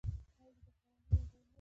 آیا دا د پهلوانۍ یو ډول نه دی؟